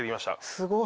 すごい。